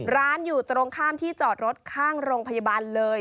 อยู่ตรงข้ามที่จอดรถข้างโรงพยาบาลเลย